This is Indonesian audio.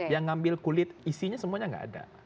yang ngambil kulit isinya semuanya nggak ada